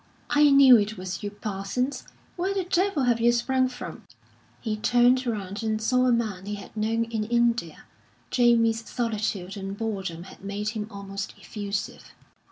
"I knew it was you, Parsons! Where the devil have you sprung from?" He turned round and saw a man he had known in India. Jamie's solitude and boredom had made him almost effusive.